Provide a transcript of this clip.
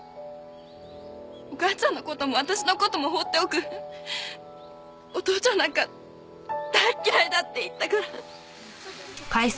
「お母ちゃんの事も私の事も放っておくお父ちゃんなんか大っ嫌いだ」って言ったから。